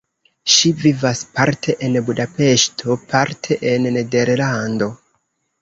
Ŝi vivas parte en Budapeŝto, parte en Nederlando.